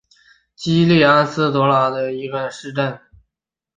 基利安斯罗达是德国图林根州的一个市镇。